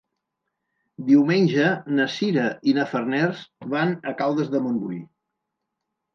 Diumenge na Sira i na Farners van a Caldes de Montbui.